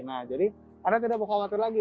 nah jadi anda tidak mau khawatir lagi